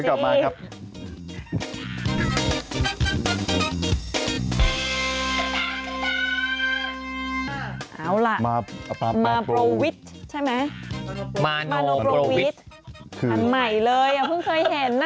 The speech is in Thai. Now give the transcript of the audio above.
เอาล่ะมาโปรวิชใช่ไหมมาลงโปรวิทคันใหม่เลยอ่ะเพิ่งเคยเห็นนะ